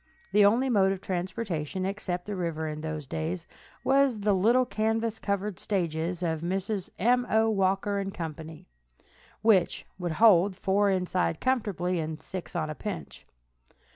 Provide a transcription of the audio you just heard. The only mode of transportation, except the river, in those days, was the little canvas covered stages of Messrs. M. O. Walker & Co., which would hold four inside comfortably, and six on a pinch.